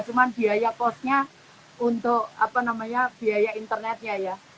cuma biaya kosnya untuk apa namanya biaya internetnya ya